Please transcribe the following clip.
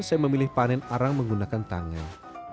saya memilih panen arang menggunakan tangan